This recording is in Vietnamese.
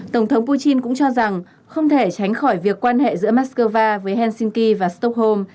tổng thống putin cũng cho rằng không thể tránh khỏi việc quan hệ giữa moscow với helsinki và stockholm